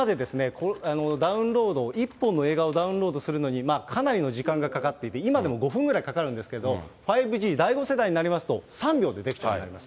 これまで、１本の映画をダウンロードするのに、かなりの時間がかかっていて、今でも５分ぐらいかかるんですけど、５Ｇ、第５世代になりますと、３秒でできるようになります。